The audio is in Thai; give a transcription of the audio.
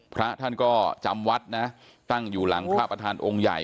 พระท่านก็จำวัดนะตั้งอยู่หลังพระประธานองค์ใหญ่